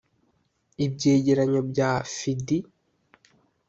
ibyegeranyo bya fidh